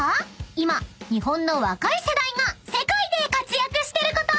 今日本の若い世代が世界で活躍してること］